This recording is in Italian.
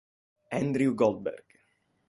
Andrew Goldberg